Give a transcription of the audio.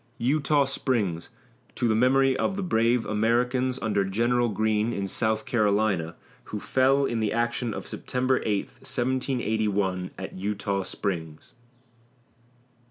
EUTAW SPRINGS TO THE MEMORY OF THE BRAVE AMERICANS, UNDER GENERAL GREENE, IN SOUTH CAROLINA, WHO FELL IN THE ACTION OF SEPTEMBER 8, 1781, AT EUTAW SPRINGS.